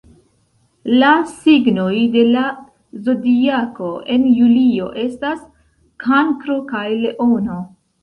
La signoj de la Zodiako en julio estas Kankro kaj Leono.